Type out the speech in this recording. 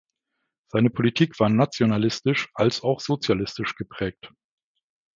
Seine Politik war nationalistisch als auch sozialistisch geprägt.